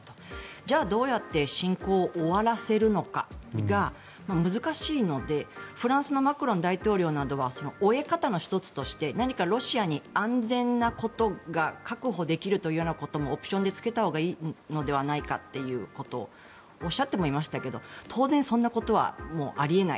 じゃあどうやって侵攻を終わらせるのかが難しいのでフランスのマクロン大統領などは終え方の１つとして何かロシアに安全なことが確保できるというようなことをオプションでつけたほうがいいのではないかってことをおっしゃってましたけど当然、そんなことはあり得ない。